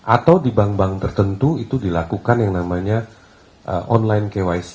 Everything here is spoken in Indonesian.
atau di bank bank tertentu itu dilakukan yang namanya online kyc